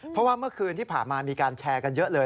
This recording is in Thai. เพราะว่าเมื่อคืนที่ผ่านมามีการแชร์กันเยอะเลย